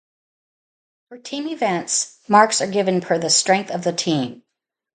For team events, marks are given per the strength of the team.